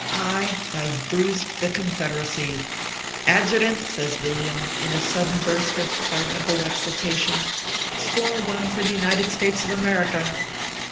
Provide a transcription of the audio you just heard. I have bruised the Confederacy. Adjutant 1" says Villiam, in a sudden burst of pardonable exulta tion, "score one for the United States of America